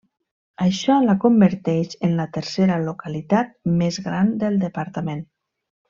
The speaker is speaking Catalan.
Això la converteix en la tercera localitat més gran del departament.